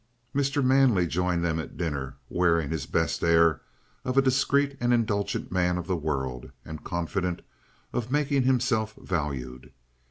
Mr. Manley joined them at dinner, wearing his best air of a discreet and indulgent man of the world, and confident of making himself valued.